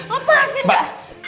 apa sih mbak